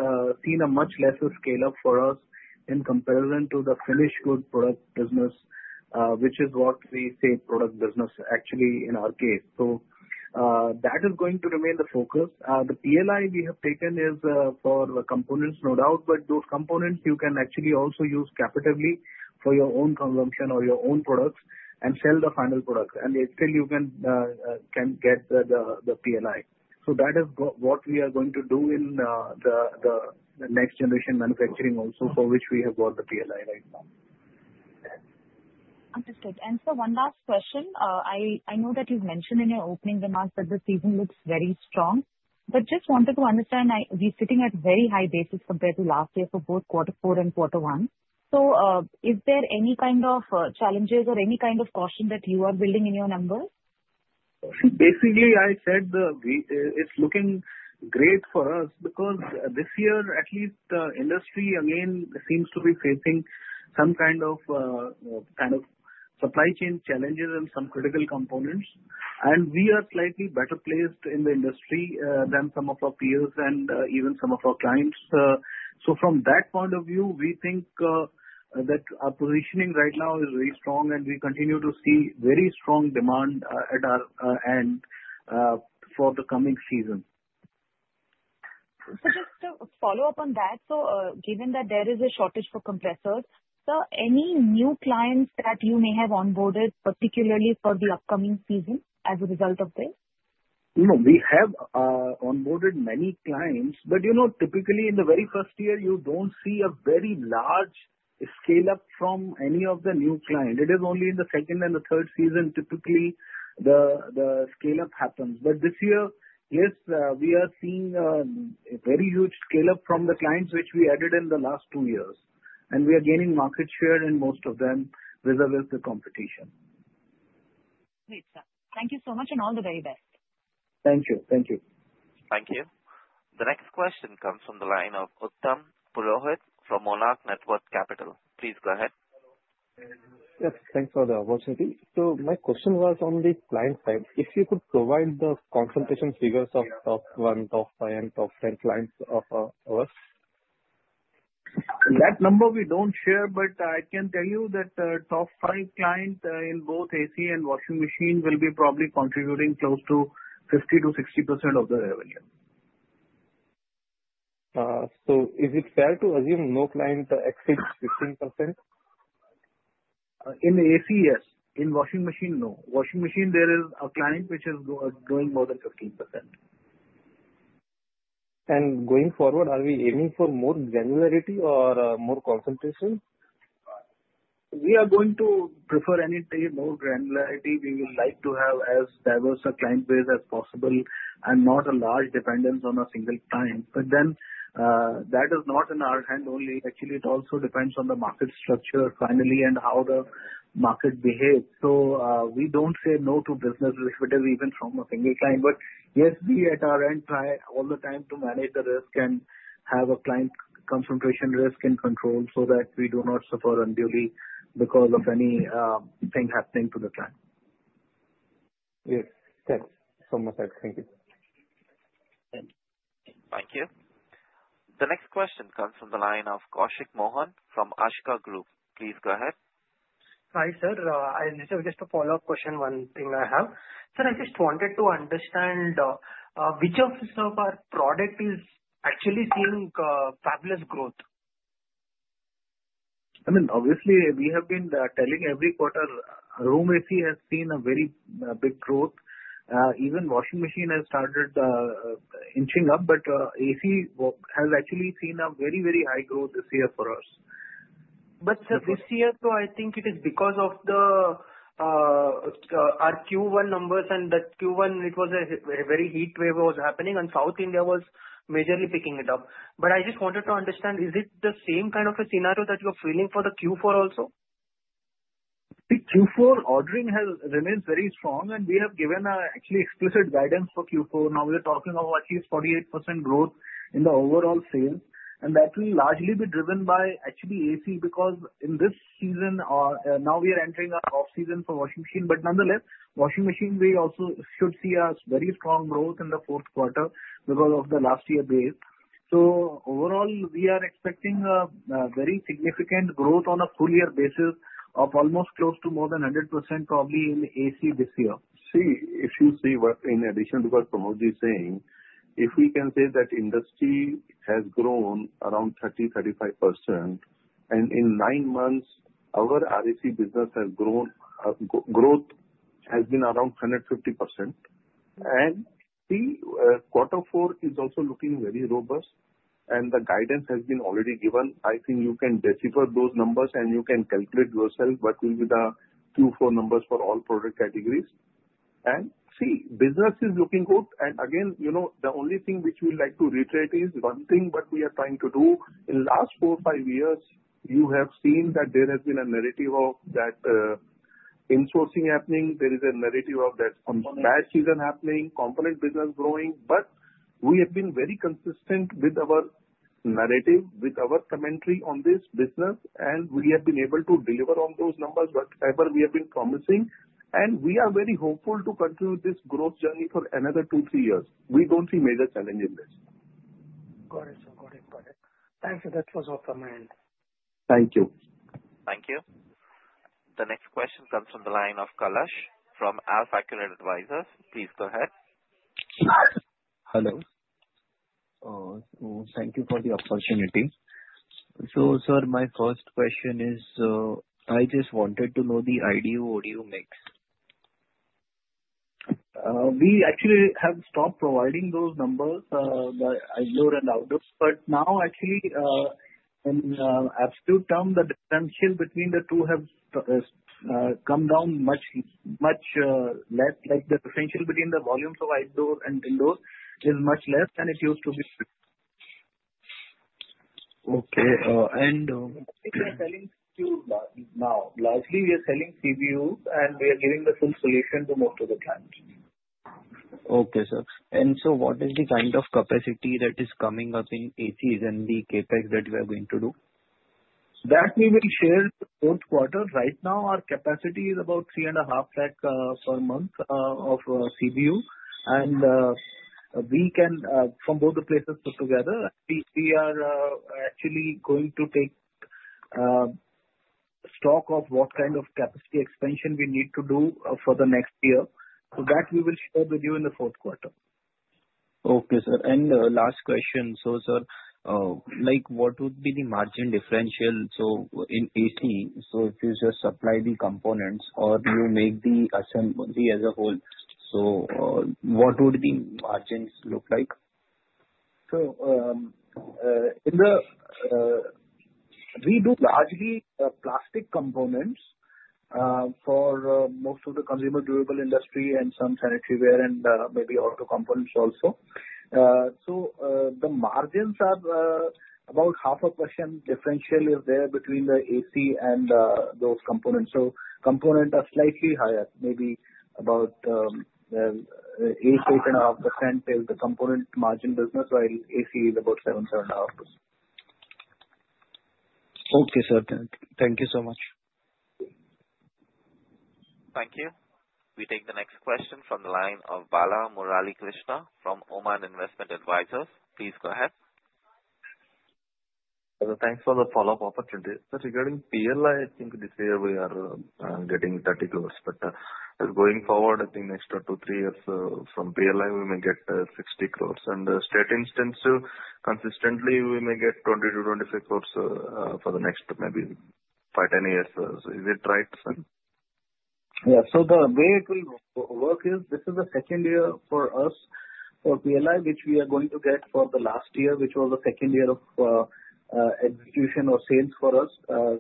D: seen a much lesser scale-up for us in comparison to the finished good product business, which is what we say product business actually in our case. So that is going to remain the focus. The PLI we have taken is for the components, no doubt. But those components, you can actually also use captively for your own consumption or your own products and sell the final product. And still, you can get the PLI. So that is what we are going to do in the next generation manufacturing also for which we have got the PLI right now.
F: Understood. And sir, one last question. I know that you've mentioned in your opening remarks that the season looks very strong. But just wanted to understand, we're sitting at a very high base compared to last year for both quarter four and quarter one. So is there any kind of challenges or any kind of caution that you are building in your numbers?
D: Basically, I said it's looking great for us because this year, at least the industry again seems to be facing some kind of supply chain challenges and some critical components, and we are slightly better placed in the industry than some of our peers and even some of our clients, so from that point of view, we think that our positioning right now is very strong, and we continue to see very strong demand at our end for the coming season.
F: Just to follow up on that, so given that there is a shortage for compressors, sir, any new clients that you may have onboarded, particularly for the upcoming season as a result of this?
C: No, we have onboarded many clients. But typically, in the very first year, you don't see a very large scale-up from any of the new clients. It is only in the second and the third season, typically, the scale-up happens. But this year, yes, we are seeing a very huge scale-up from the clients which we added in the last two years. And we are gaining market share in most of them vis-à-vis the competition.
F: Great, sir. Thank you so much and all the very best.
C: Thank you. Thank you.
A: Thank you. The next question comes from the line of Uttam Purohit from Monarch Networth Capital. Please go ahead.
O: Yes. Thanks for the opportunity. So my question was on the client side. If you could provide the concentration figures of top one, top five and top ten clients of ours.
D: That number we don't share, but I can tell you that top five clients in both AC and washing machine will be probably contributing close to 50%-60% of the revenue.
O: So is it fair to assume no client exceeds 15%?
D: In AC, yes. In washing machine, no. Washing machine, there is a client which is doing more than 15%.
O: Going forward, are we aiming for more granularity or more concentration?
D: We are not going to provide any more granularity. We would like to have as diverse a client base as possible and not a large dependence on a single client. But then that is not in our hands only. Actually, it also depends on the market structure finally and how the market behaves. So we don't say no to business liquidity even from a single client. But yes, we at our end try all the time to manage the risk and have a client concentration risk in control so that we do not suffer unduly because of anything happening to the client.
O: Yes. Thanks so much. I thank you.
A: Thank you. The next question comes from the line of Koushik Mohan from Ashika Group. Please go ahead.
K: Hi, sir. This is just a follow-up question, one thing I have. Sir, I just wanted to understand which of our product is actually seeing fabulous growth?
D: I mean, obviously, we have been telling every quarter room AC has seen a very big growth. Even washing machine has started inching up, but AC has actually seen a very, very high growth this year for us.
K: But sir, this year, so I think it is because of the Q1 numbers and that Q1, it was a very heat wave was happening, and South India was majorly picking it up. But I just wanted to understand, is it the same kind of a scenario that you're feeling for the Q4 also?
D: The Q4 ordering has remained very strong, and we have given actually explicit guidance for Q4. Now we're talking of at least 48% growth in the overall sales. And that will largely be driven by actually AC because in this season, now we are entering our off-season for washing machine. But nonetheless, washing machine we also should see a very strong growth in the fourth quarter because of the last year base. So overall, we are expecting a very significant growth on a full year basis of almost close to more than 100% probably in AC this year.
C: See, if you see what in addition to what Pramodji is saying, if we can say that industry has grown around 30%-35%, and in nine months, our RAC business has grown, growth has been around 150%. And see, quarter four is also looking very robust, and the guidance has been already given. I think you can decipher those numbers, and you can calculate yourself what will be the Q4 numbers for all product categories. And see, business is looking good. And again, the only thing which we'd like to reiterate is one thing that we are trying to do. In the last four, five years, you have seen that there has been a narrative of that insourcing happening. There is a narrative of that PLI season happening, component business growing. But we have been very consistent with our narrative, with our commentary on this business, and we have been able to deliver on those numbers, whatever we have been promising. And we are very hopeful to continue this growth journey for another two, three years. We don't see major challenge in this.
K: Got it. Got it. Got it. Thanks. That was all from my end.
C: Thank you.
A: Thank you. The next question comes from the line of Kalash from Alpha Accurate Advisors. Please go ahead.
P: Hello. Thank you for the opportunity. So sir, my first question is, I just wanted to know the IDU/ODU mix.
D: We actually have stopped providing those numbers by IDU and ODU. But now, actually, in absolute term, the differential between the two has come down much less. The differential between the volumes of outdoors and indoors is much less than it used to be.
P: Okay. And.
D: We are selling CBU now. Lastly, we are selling CBUs, and we are giving the full solution to most of the clients.
P: Okay, sir, and so what is the kind of capacity that is coming up in ACs and the CapEx that we are going to do?
D: That we will share in the fourth quarter. Right now, our capacity is about 3.5 lakh per month of CBU, and we can, from both the places put together, we are actually going to take stock of what kind of capacity expansion we need to do for the next year, so that we will share with you in the fourth quarter.
P: Okay, sir. And last question. So sir, what would be the margin differential? So in AC, so if you just supply the components or you make the assembly as a whole, so what would the margins look like?
D: So we do largely plastic components for most of the consumer durable industry and some sanitary ware and maybe auto components also. So the margins are about 0.5% differential is there between the AC and those components. So components are slightly higher, maybe about 8-8.5% is the component margin business, while AC is about 7-7.5%.
P: Okay, sir. Thank you so much.
A: Thank you. We take the next question from the line of Balamurali Krishna from Oman India Joint Investment Fund. Please go ahead.
L: So thanks for the follow-up opportunity. So regarding PLI, I think this year we are getting 30 crores. But going forward, I think next two, three years from PLI, we may get 60 crores. And state incentives, consistently, we may get 20 to 25 crores for the next maybe 5, 10 years. Is it right, sir?
D: Yeah. So the way it will work is this is the second year for us for PLI, which we are going to get for the last year, which was the second year of execution or sales for us.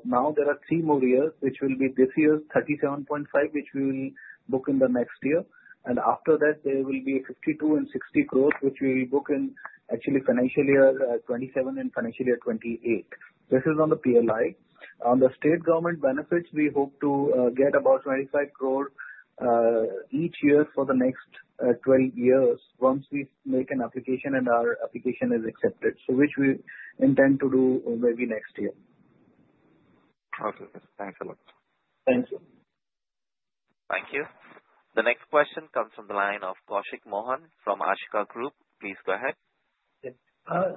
D: Now, there are three more years, which will be this year's 37.5, which we will book in the next year. And after that, there will be 52 and 60 crores, which we will book in actually financial year 27 and financial year 28. This is on the PLI. On the state government benefits, we hope to get about 25 crores each year for the next 12 years once we make an application and our application is accepted, which we intend to do maybe next year.
L: Okay. Thanks a lot.
D: Thank you.
A: Thank you. The next question comes from the line of Koushik Mohan from Ashika Group. Please go ahead.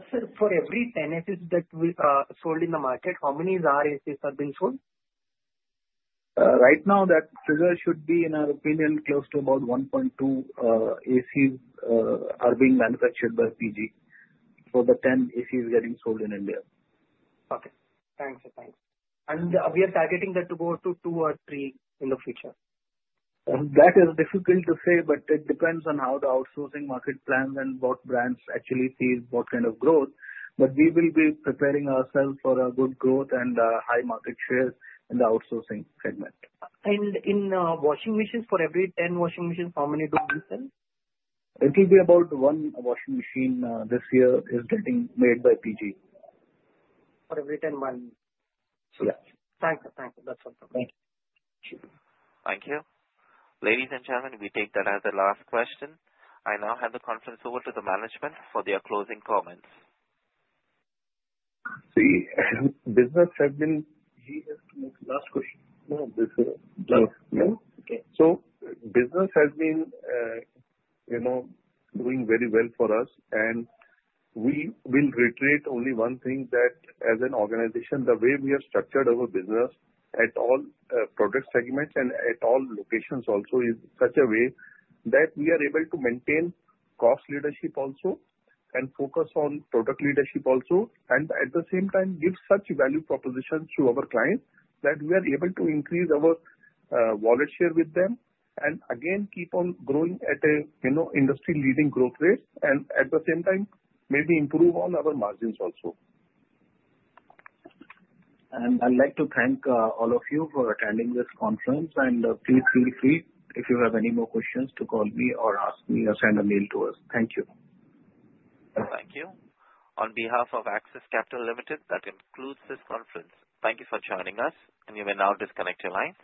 K: Sir, for every 10 ACs that we sold in the market, how many RACs have been sold?
D: Right now, that figure should be, in our opinion, close to about 1.2 ACs are being manufactured by PG for the 10 ACs getting sold in India.
K: Okay. Thanks. Thanks. And we are targeting that to go to two or three in the future.
C: That is difficult to say, but it depends on how the outsourcing market plans and what brands actually see what kind of growth. But we will be preparing ourselves for a good growth and high market share in the outsourcing segment.
K: In washing machines, for every 10 washing machines, how many do you sell?
C: It will be about one washing machine this year is getting made by PG.
K: For every 10, one.
C: Yeah.
K: Thanks. Thanks. That's all from me.
C: Thank you.
A: Thank you. Ladies and gentlemen, we take that as the last question. I now hand the conference over to the management for their closing comments.
C: So business has been doing very well for us. And we will reiterate only one thing that as an organization, the way we are structured as a business at all product segments and at all locations also is such a way that we are able to maintain cost leadership also and focus on product leadership also. And at the same time, give such value propositions to our clients that we are able to increase our wallet share with them and again keep on growing at an industry-leading growth rate and at the same time maybe improve on our margins also. I'd like to thank all of you for attending this conference. Please feel free, if you have any more questions, to call me or ask me or send a mail to us. Thank you.
A: Thank you. On behalf of Axis Capital Limited, that concludes this conference. Thank you for joining us, and you may now disconnect your lines.